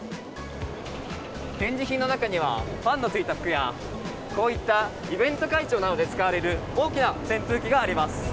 展示品の中には、ファンのついた服や、こういったイベント会場などで使われる大きな扇風機があります。